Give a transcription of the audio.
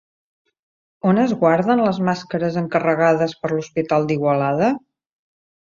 On es guarden les màscares encarregades per l'Hospital d'Igualada?